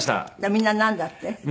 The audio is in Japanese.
みんななんだって？